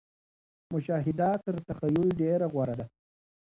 مشاهده تر تخيل ډېره غوره ده.